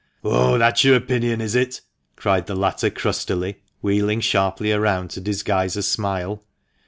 " Oh ! that's your opinion, is it ?" cried the latter, crustily, wheeling sharply round to disguise a smile.